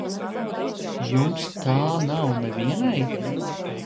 Jums tā nav nevienai?